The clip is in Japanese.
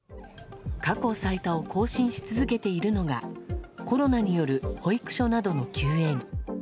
過去最多を更新し続けているのが、コロナによる保育所などの休園。